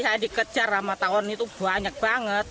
hanya dikejar sama tawon itu banyak banget